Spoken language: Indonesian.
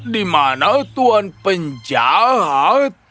di mana tuan penjahat